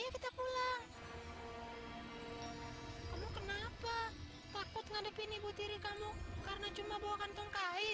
selamat kembali ke rumahmu ya